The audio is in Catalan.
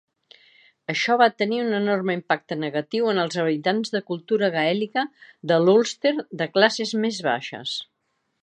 Això va tenir un enorme impacte negatiu en els habitants de cultura gaèlica de l'Ulster de classes més baixes.